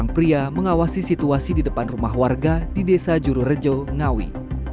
pria mengawasi situasi di depan rumah warga di desa jururejo ngawi